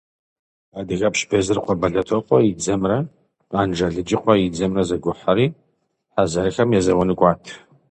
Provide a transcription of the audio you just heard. Адыгэпщ Безрыкъуэ Бэлэтокъуэ и дзэмрэ Къанж Алыджыкъуэ и дзэмрэ зэгухьэри, хъэзэрхэм езэуэну кӏуат.